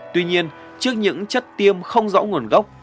tuy nhiên trước những chất tiêm không rõ nguồn gốc